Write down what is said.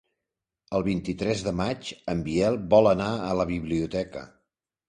El vint-i-tres de maig en Biel vol anar a la biblioteca.